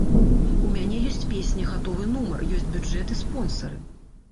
У мяне ёсць песня, гатовы нумар, ёсць бюджэт і спонсары.